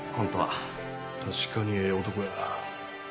確かにええ男や。